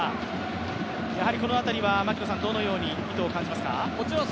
この辺りはどのように意図を感じますか？